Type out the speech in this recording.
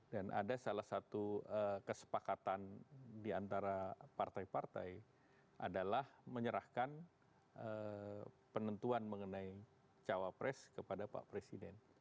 dan ada salah satu kesepakatan di antara partai partai adalah menyerahkan penentuan mengenai cawa pres kepada pak presiden